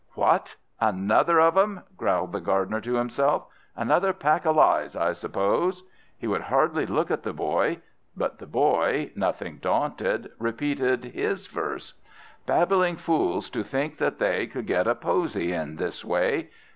"What, another of 'em!" growled the Gardener to himself. "Another pack of lies, I suppose!" He would hardly look at the boy. But the boy, nothing daunted, repeated his verse: "Babbling fools! to think that they Can get a posy in this way!